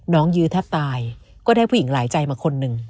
ยื้อแทบตายก็ได้ผู้หญิงหลายใจมาคนหนึ่ง